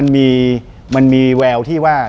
มันมีแววที่ว่า